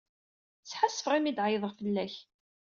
Sḥassfeɣ imi d-ɛeyyḍeɣ fell-ak.